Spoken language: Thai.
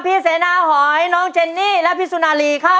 เสนาหอยน้องเจนนี่และพี่สุนารีครับ